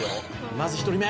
「まず１人目」